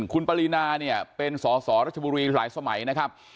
คุณปรินาเนี่ยเป็นสสรัชบุรีหลายสมัยนะครับ